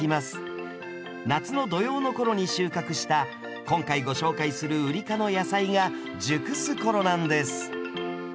夏の土用の頃に収穫した今回ご紹介するウリ科の野菜が熟す頃なんです。